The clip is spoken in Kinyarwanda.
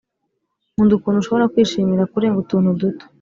nkunda ukuntu ushobora kwishimira kurenga utuntu duto